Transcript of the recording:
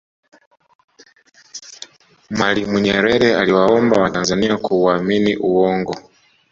mwalimu nyerere aliwaomba watanzania kuaamini uongo